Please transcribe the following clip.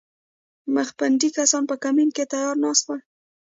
مخپټي کسان په کمین کې تیار ناست ول